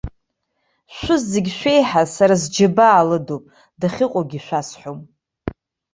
Шәыззегь шәеиҳа сара сџьабаа лыдуп, дахьыҟоугьы шәасҳәом.